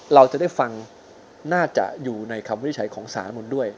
เราจะได้ฟังน่าจะอยู่ในคำวินิจฉัยของสารนุนด้วย